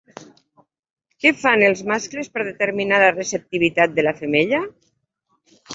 Què fan els mascles per determinar la receptivitat de la femella?